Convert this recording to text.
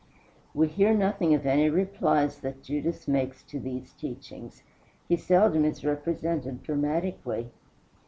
We hear nothing of any replies that Judas makes to these teachings. He seldom is represented dramatically.